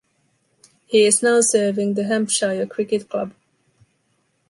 He is now serving the Hampshire Cricket Club.